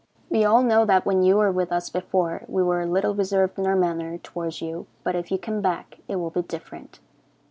We all know that when you were with us before we were a little reserved in our manner toward you, but if you come back it will be different.